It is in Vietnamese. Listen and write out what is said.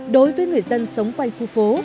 đối với người dân sống quanh khu phố